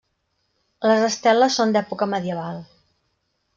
Les esteles són d’època medieval.